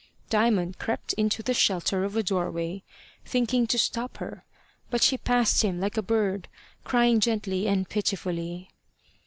Diamond crept into the shelter of a doorway, thinking to stop her; but she passed him like a bird, crying gently and pitifully.